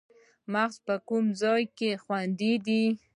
مغز په کوم ځای کې خوندي دی